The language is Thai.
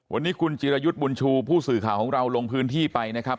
วันนี้คุณจิรยุทธ์บุญชูผู้สื่อข่าวของเราลงพื้นที่ไปนะครับ